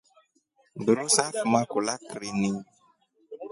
Mburu safuma kulya krini.